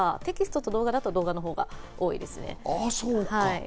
情報量としてはテキストと動画だと、動画のほうが多いですね。